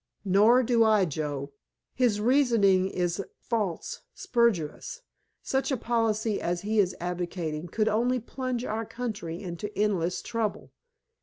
"Nor do I, Joe. His reasoning is false, spurious. Such a policy as he is advocating could only plunge our country into endless trouble.